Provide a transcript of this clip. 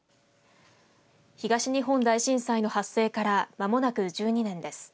東日本大震災の発生からまもなく１２年です。